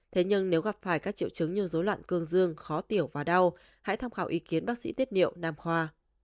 thế nhưng nếu gặp phải các triệu chứng như dối loạn cương dương khó tiểu và đau hãy tham khảo ý kiến bác sĩ tiết niệu nam khoa